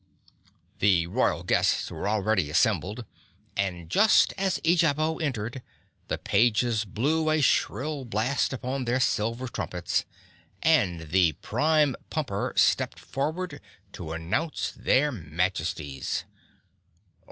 The royal guests were already assembled and just as Eejabo entered, the pages blew a shrill blast upon their silver trumpets and the Prime Pumper stepped forward to announce their Majesties.